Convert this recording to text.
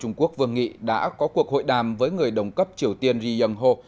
trung quốc vương nghị đã có cuộc hội đàm với người đồng cấp triều tiên ri yong ho